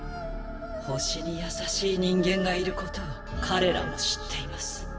星に優しい人間がいることは彼らも知っています。